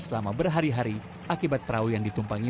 selama berhari hari akibat perahu yang ditumpangi